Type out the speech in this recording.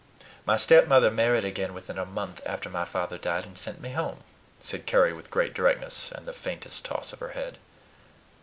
"My stepmother married again within a month after father died, and sent me home," said Carry with great directness, and the faintest toss of her head.